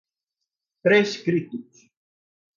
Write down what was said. prescritos